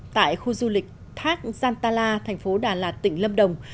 tại khu du lịch thác giantala thành phố đà lạt tỉnh lâm đồng